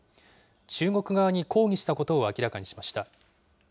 中国側に抗議したことを明らかにしました。